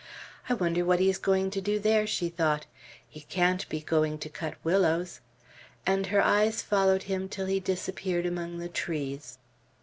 "I wonder what he is going to do there," she thought. "He can't be going to cut willows;" and her eyes followed him till he disappeared among the trees.